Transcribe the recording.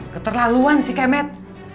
keterlaluan sih kemet